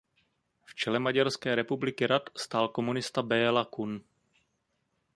V čele Maďarské republiky rad stál komunista Béla Kun.